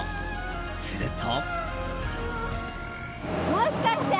すると。